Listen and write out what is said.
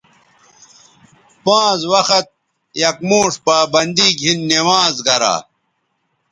پانز وخت یک موݜ پابندی گھن نمازگرا